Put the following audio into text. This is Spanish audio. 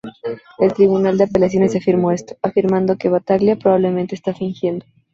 El tribunal de apelaciones afirmó esto, afirmando que Battaglia probablemente estaba fingiendo.